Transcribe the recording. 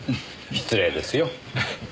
失礼ですよ。